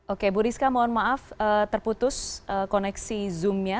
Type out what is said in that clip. oke bu rizka mohon maaf terputus koneksi zoomnya